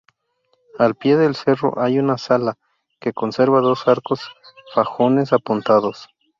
Al pie del cerro hay una sala, que conserva dos arcos fajones apuntados.